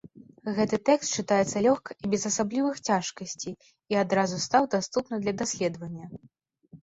Гэты тэкст чытаецца лёгка і без асаблівых цяжкасцей і адразу стаў даступны для даследавання.